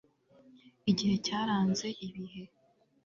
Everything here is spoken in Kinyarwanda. Igihe cyaranze ibihe